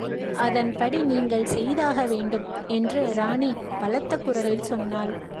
அதன்படி நீங்கள் செய்தாக வேண்டும் என்று ராணி பலத்த குரலில் சொன்னாள்.